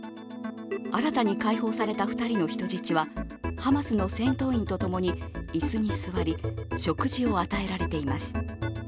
新たに解放された２人の人質はハマスの戦闘員とともに椅子に座り食事を与えられています。